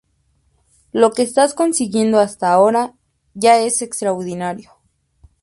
Lo que estás consiguiendo hasta ahora ya es extraordinario.